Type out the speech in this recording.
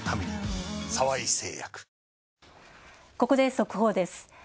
ここで速報です。